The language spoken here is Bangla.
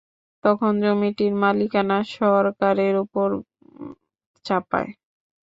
তখন জমিটির মালিকানা সরকারের ওপর বর্তায়।